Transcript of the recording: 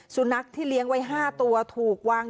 สุนัขที่เลี้ยงไว้๕ตัวถูกวาง